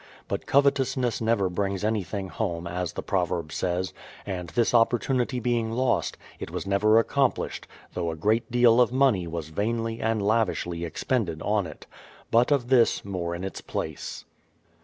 But covetousness never brings anything home, as the proverb says ; and this opportunity being lost, it was never accom plished, though a great deal of money was vainly and lav ishly expended on it. But of this more in its place.